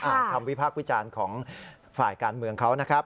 คำวิพากษ์วิจารณ์ของฝ่ายการเมืองเขานะครับ